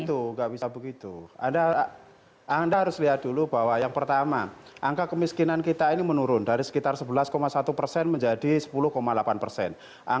tidak bisa begitu anda harus lihat dulu bahwa yang pertama angka kemiskinan kita ini menurun dari sekitar sebelas satu persen menjadi sepuluh delapan persen